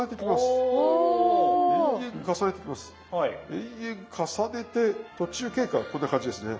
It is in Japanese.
延々重ねて途中経過はこんな感じですね。